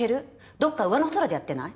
どっかうわの空でやってない？